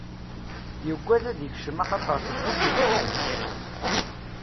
Yuggad ad d-ikcem axaṭer teggull deg-s yemma-s.